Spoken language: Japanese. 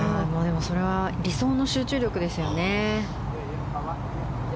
それは理想の集中力ですね。